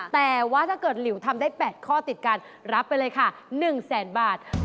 แต่ว่าถ้าเกิดหลิวทำได้๘ข้อติดกันรับไปเลยค่ะ๑แสนบาท